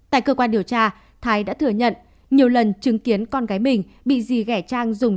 tại cơ quan điều tra thái đã thừa nhận nhiều lần chứng kiến con gái mình bị dì ghẻ trang dùng